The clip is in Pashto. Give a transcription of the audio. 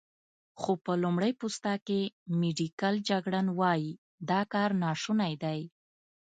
خو په لمړی پوسته کې، میډیکل جګړن وايي، دا کار ناشونی دی.